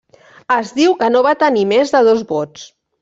Es diu que no va tenir més de dos vots.